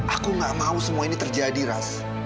aku gak mau semua ini terjadi ras